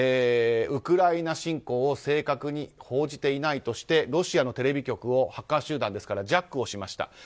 ウクライナ侵攻を正確に報じていないとしてロシアのテレビ局をハッカー集団ですからジャックをしました。